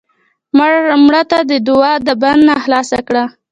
مړه ته د دوعا د بند نه خلاص کړه